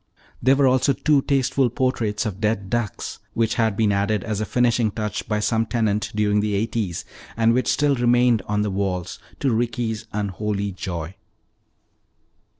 There were also two tasteful portraits of dead ducks which had been added as a finishing touch by some tenant during the eighties and which still remained upon the walls to Ricky's unholy joy.